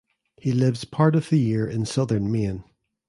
He lives part of the year in Southern Maine.